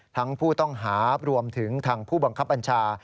ทั้งผู้ต้องหารวมถึงทางผู้บังคับบัญชา